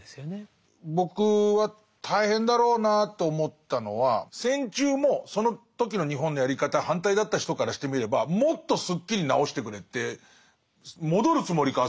僕は大変だろうなと思ったのは戦中もその時の日本のやり方に反対だった人からしてみればもっとすっきりなおしてくれって戻るつもりか